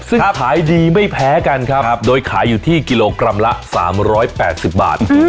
ซึ่งขายดีไม่แพ้กันครับโดยขายอยู่ที่กิโลกรัมละ๓๘๐บาท